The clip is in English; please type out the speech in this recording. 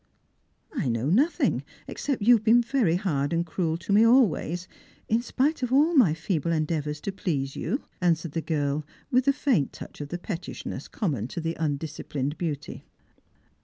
" I know nothing except that you have been hard and cruel to me always, in spite of all my feeble endeavours to please you," answered the girl with the fiiint touch of the pettishnesa common to undisciplined beauty.